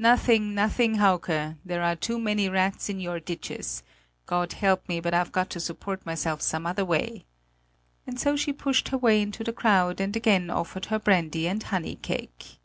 "Nothing, nothing, Hauke; there are too many rats in your ditches; God help me, but I've got to support myself some other way!" And so she pushed her way into the crowd and again offered her brandy and honey cake.